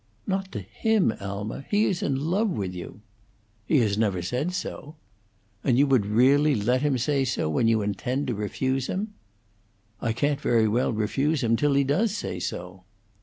"Not to him, Alma! He is in love with you!" "He has never said so." "And you would really let him say so, when you intend to refuse him?" "I can't very well refuse him till he does say so."